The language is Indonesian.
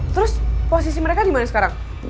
terus posisi mereka dimana sekarang